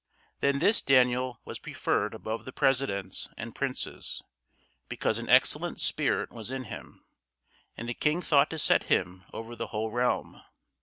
Then this Daniel was preferred above the presidents and princes, because an excellent spirit was in him; and the King thought to set him over the whole realm.